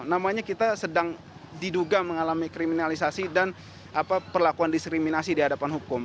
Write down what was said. namanya kita sedang diduga mengalami kriminalisasi dan perlakuan diskriminasi di hadapan hukum